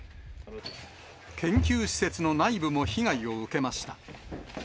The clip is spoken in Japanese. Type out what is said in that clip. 研究施設の内部も被害を受けました。